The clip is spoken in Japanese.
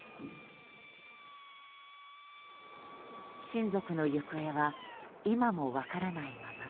親族の行方は今も分からないまま。